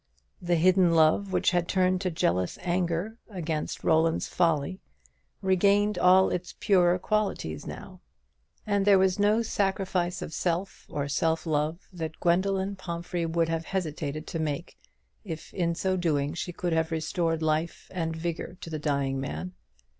The hidden love which had turned to jealous anger against Roland's folly regained all its purer qualities now, and there was no sacrifice of self or self love that Gwendoline Pomphrey would have hesitated to make, if in so doing she could have restored life and vigour to the dying man.